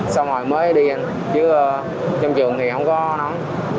xong rồi mới đi anh chứ trong trường thì không có nón